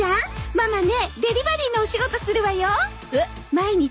ママねデリバリーのお仕事するわよ